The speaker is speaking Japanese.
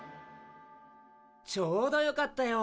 ちょうどよかったよ。